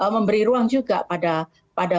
memberi ruang juga pada